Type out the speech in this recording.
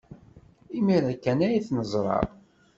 Imir-a kan ay t-neẓra.